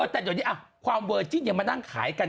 แต่เดี๋ยวนี้ความเวอร์จิ้นยังมานั่งขายกัน